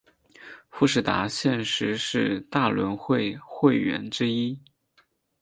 富士达现时是大轮会会员之一。